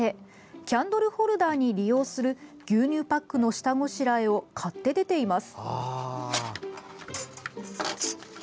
キャンドルホルダーに利用する牛乳パックの下ごしらえを買って出ています。